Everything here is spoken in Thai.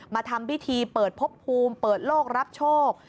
มาทำพิธีเปิดพบภูมิเปิดโลกรับโชค